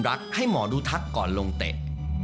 ครับผมสวัสดีครับ